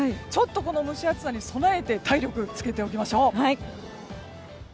この蒸し暑さに備えて体力をつけておきましょう。